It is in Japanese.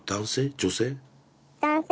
女性？